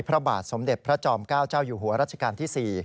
พระบาทสมเด็จพระจอม๙เจ้าอยู่หัวรัชกาลที่๔